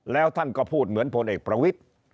แล้วท่านก็พูดเหมือนพลเอกประวิทธิ์